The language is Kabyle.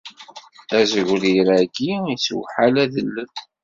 Azegrir-agi yessewḥal adellel.